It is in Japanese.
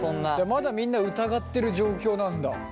まだみんな疑ってる状況なんだ。